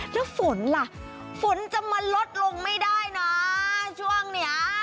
แล้วฝนล่ะฝนจะมาลดลงไม่ได้นะช่วงนี้